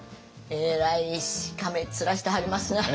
えらいしかめっ面してはりますなあ。